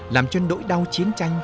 làm cho nỗi đau chiến tranh